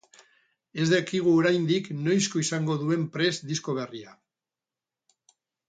Ez dakigu oraindik noizko izango duen prest disko berria.